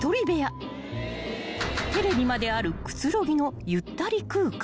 ［テレビまであるくつろぎのゆったり空間］